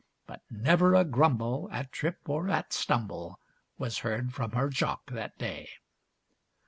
But never a grumble at trip or at stumble Was heard from her jock that day.